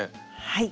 はい。